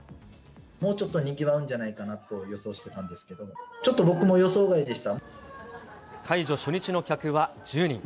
もうちょっとにぎわうんじゃないかと予想してたんですけど、解除初日の客は１０人。